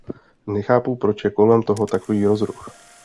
Nechápu, proč je kolem toho takový rozruch.